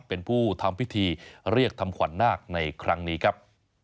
เป็นผู้ทำพิธีเรียกทำขวัญนาคในครั้งนี้ครับ